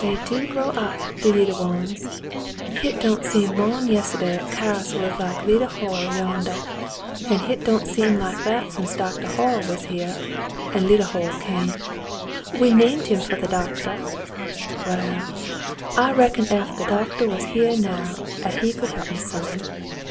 "They do grow up — the leetle ones. Hit don't seem mo'n yestahday 'at Cass was like leetle Hoyle yandah, an' hit don't seem that since Doctah Hoyle was here an' leetle Hoyle came. We named him fer th' doctah. Waal, I reckon ef th' doctah was here now 'at he could he'p me some.